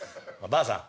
ばあさん